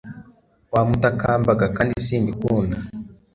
Wamutakambaga kandi simbikunda